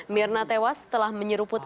mirna tewas setelah menyeruput